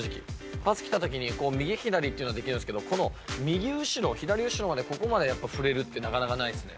パス来たときに、こう、右左っていうのはできるんですけど、右後ろ、左後ろまで、ここまでやっぱり振れるって、なかなかないですね。